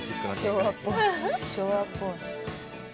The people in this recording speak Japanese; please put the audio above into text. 昭和っぽい。